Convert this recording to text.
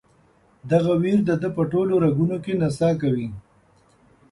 دغه ویر د ده په ټولو رګونو کې نڅا کوي.